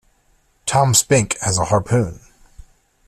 Tom Spink has a harpoon.